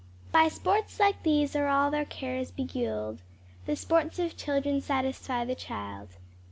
"By sports like these are all their cares beguil'd, The sports of children satisfy the child."